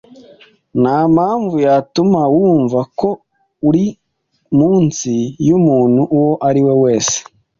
Ntampamvu yatuma wumva ko uri munsi yumuntu uwo ari we wese .